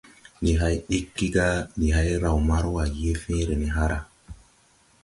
Ndi hãy diggi ga ndi hay raw Marua yee fẽẽre ne hããra.